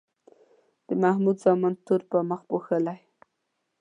د محمود زامنو تور په مخ موښلی.